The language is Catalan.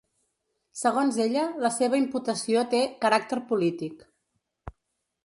Segons ella, la seva imputació té “caràcter polític”.